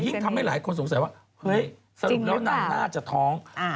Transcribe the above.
ทำให้หลายคนสงสัยว่าเฮ้ยสรุปแล้วนางน่าจะท้อง